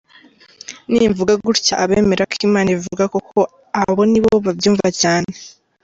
Nimvuga gutya, abemera ko Imana ivuga koko abo nibo babyumva cyane.